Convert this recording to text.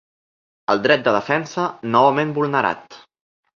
El dret de defensa, novament vulnerat.